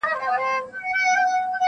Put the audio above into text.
له ګودر څخه مي رنګ د رنجو واخیست -